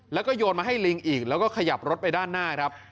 แล้วก็โยนมาให้ลิงอีกแล้วก็ขยับรถไปด้านหน้าครับ